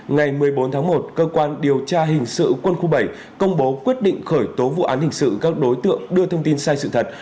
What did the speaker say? ngày một mươi bốn tháng một cơ quan điều tra hình sự quân khu bảy công bố quyết định khởi tố vụ án hình sự các đối tượng đưa thông tin sai sự thật